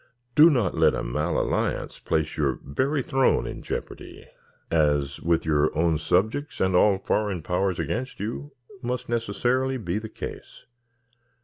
Do not let a mal alliance place your very throne in jeopardy; as, with your own subjects and all foreign powers against you, must necessarily be the case."